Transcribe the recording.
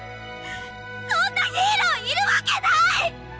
そんなヒーローいるわけない‼